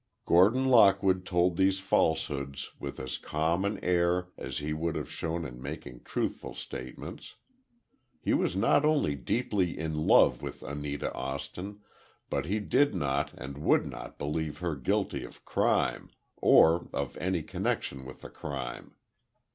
Gordon Lockwood told these falsehoods with as calm an air as he would have shown in making truthful statements. He was not only deeply in love with Anita Austin, but he did not and would not believe her guilty of crime, or of any connection with a crime.